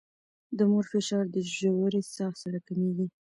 د مور فشار د ژورې ساه سره کمېږي.